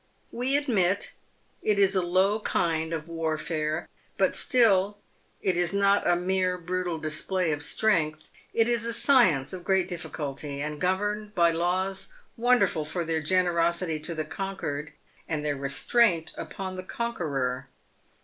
"We admit it is a low kind of warfare, but still it is not a mere brutal display of strength. It is a science of great difficulty, and governed by laws wonderful for their generosity to the conquered, and their restraint upon the conqueror.